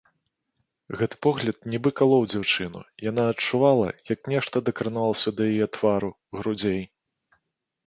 Гэты погляд нібы калоў дзяўчыну, яна адчувала, як нешта дакраналася да яе твару, грудзей.